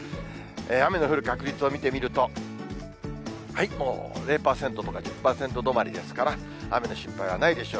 雨の降る確率を見てみると、もう０％とか１０％止まりですから、雨の心配はないでしょう。